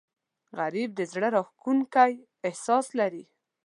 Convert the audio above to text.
غریب د زړه راښکونکی احساس لري